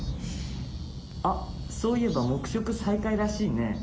あっそういえば黙食再開らしいね。